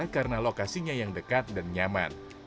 karena lokasinya yang dekat dan nyaman